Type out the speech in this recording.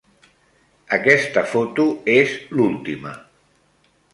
Aquesta foto és l'última.